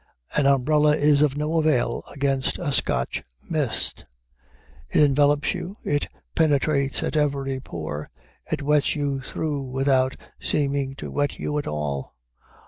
An umbrella is of no avail against a Scotch mist. It envelops you, it penetrates at every pore, it wets you through without seeming to wet you at all.